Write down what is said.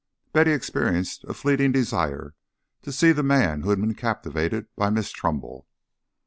Betty experienced a fleeting desire to see the man who had been captivated by Miss Trumbull.